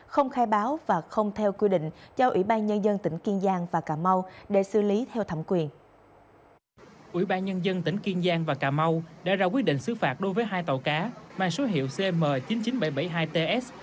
không khai báo và không theo quy định cho ủy ban nhân dân tỉnh kiên giang và cà mau để xử lý theo thẩm quyền